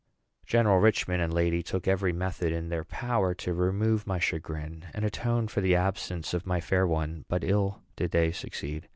General Richman and lady took every method in their power to remove my chagrin and atone for the absence of my fair one; but ill did they succeed.